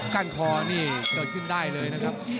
ข้างคอนี่จะขึ้นได้เลยนะครับ